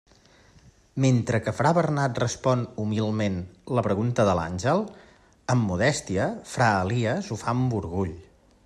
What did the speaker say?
Mentre que fra Bernat respon «humilment» la pregunta de l'àngel, amb modèstia, fra Elies ho fa «amb orgull».